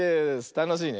たのしいね。